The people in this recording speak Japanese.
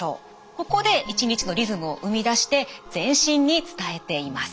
ここで一日のリズムを生み出して全身に伝えています。